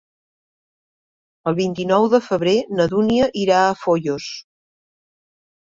El vint-i-nou de febrer na Dúnia irà a Foios.